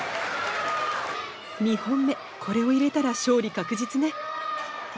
２本目これを入れたら勝利確実ね。